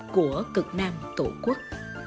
của cực nam tổ quốc